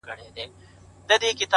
هسي نه ده چي نېستۍ ته برابر سو -